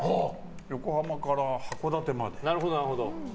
横浜から函館まで。